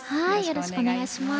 よろしくお願いします。